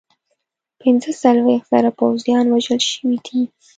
پنځه څلوېښت زره پوځیان وژل شوي دي.